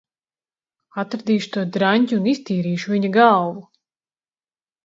Atradīšu to draņķi un iztīrīšu viņa galvu!